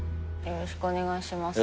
よろしくお願いします。